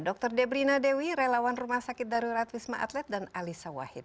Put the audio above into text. dokter debrina dewi relawan rumah sakit dari ratwisma atlet dan alisa wahid